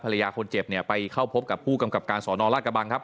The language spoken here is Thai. ภรรยาคนเจ็บเนี่ยไปเข้าพบกับผู้กำกับการสอนอราชกระบังครับ